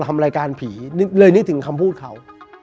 ทำรายการผีเลยนึกถึงคำพูดเขา